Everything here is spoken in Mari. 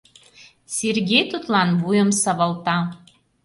— Сергей тудлан вуйым савалта.